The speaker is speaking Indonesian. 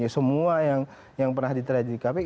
semua yang pernah diterajik kpk